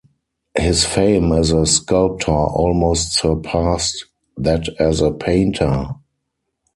His fame as a sculptor almost surpassed that as a painter.